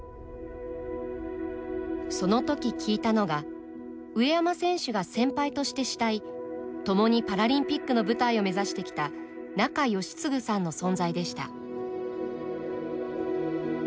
そのとき聞いたのが上山選手が先輩として慕いともにパラリンピックの舞台を目指してきた仲喜嗣さんの存在でした。